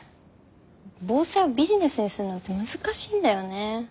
防災をビジネスにするのって難しいんだよね。